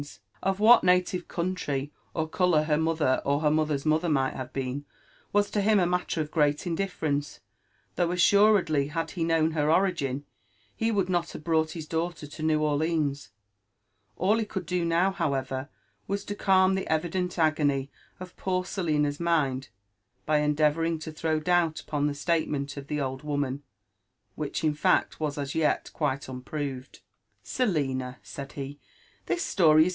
Of wbtt Miioir, CQUhtry, or odtoiir her nioAer or her molliMr's AioUMr nu^t have been, mm t6 him e natter of great indlflBreoce ; though Mfuredly, had hekoowv heroHgiii, he woeldnot have brought his daughter to N^w Orleaos. All he could dow do. however, was to calm the evident agony of poor Selina'i asind by endeaTOuribg to th^w doobl upon the sCatemeiit of the old woimb, which in fact was as yet quite unpkx>ved. "Selina I" said he, " this slory is.